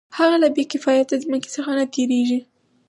هغه له بې کفایته ځمکې څخه نه تېرېږي